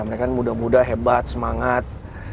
mereka kan muda muda hebat semangat